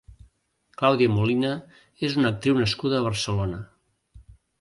Claudia Molina és una actriu nascuda a Barcelona.